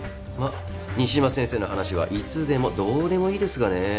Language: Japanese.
まあ西島先生の話はいつでもどうでもいいですがね。